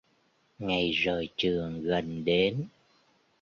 Ngày rời trường gần đến